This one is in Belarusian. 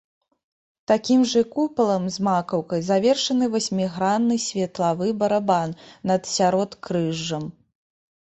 Такім жа купалам з макаўкай завершаны васьмігранны светлавы барабан над сяродкрыжжам.